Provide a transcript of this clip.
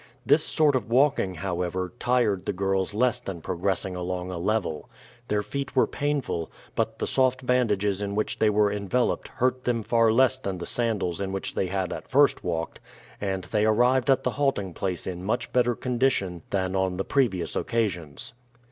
This sort of walking, however, tired the girls less than progressing along a level. Their feet were painful, but the soft bandages in which they were enveloped hurt them far less than the sandals in which they had at first walked, and they arrived at the halting place in much better condition than on the previous occasions.